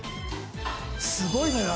すごいのよ